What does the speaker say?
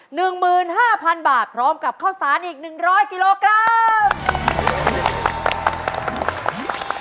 ๑หมื่น๕๐๐๐บาทพร้อมกับข้าวสารอีก๑๐๐กิโลกรัม